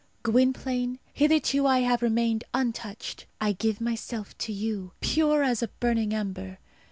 Gwynplaine, hitherto I have remained untouched; I give myself to you, pure as a burning ember.